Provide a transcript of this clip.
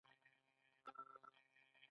هغې د اواز تر سیوري لاندې د مینې کتاب ولوست.